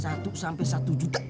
satu sampai satu juta